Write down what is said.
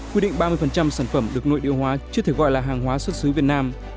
quy định ba mươi sản phẩm được nội địa hóa chưa thể gọi là hàng hóa xuất xứ việt nam